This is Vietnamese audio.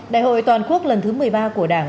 đại hội toàn quốc lần thứ một mươi ba của đảng